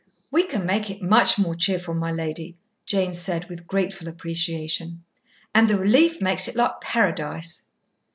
"We can make it much more cheerful, my lady," Jane said, with grateful appreciation. "And the relief makes it like Paradise."